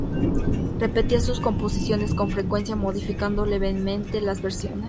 Repetía sus composiciones con frecuencia, modificando levemente las versiones.